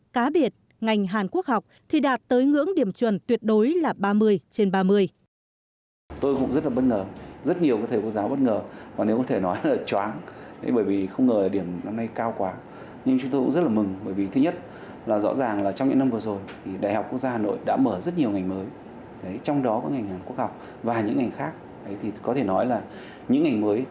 cá biệt ngành hàn quốc học thì đạt tới ngưỡng điểm chuẩn tuyệt đối là ba mươi trên ba mươi